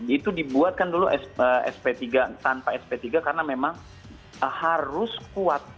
itu dibuatkan dulu sp tiga tanpa sp tiga karena memang harus kuat